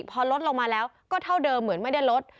พอลดลงมาแล้วก็เท่าเดิมเหมือนไม่ได้ลด